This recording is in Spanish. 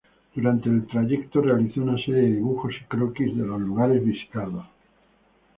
Durante el trayecto realizó una serie de dibujos y croquis de los lugares visitados.